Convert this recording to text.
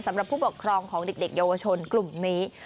สำหรับผู้ปกครองของเด็กเยาวชนกลุ่มนี้